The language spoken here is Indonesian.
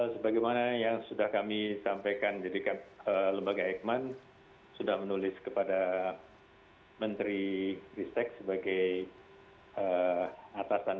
sebagai mana yang sudah kami sampaikan di dekat lembaga eikman sudah menulis kepada menteri ristek sebagai atasan